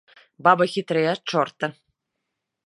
Баба хітрэй ад чорта!